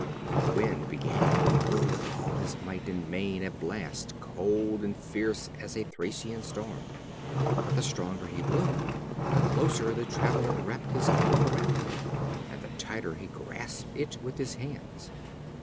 The Wind began, and blew with all his might and main a blast, cold and fierce as a Thracian storm; but the stronger he blew, the closer the traveler wrapped his cloak around him, and the tighter he grasped it with his hands.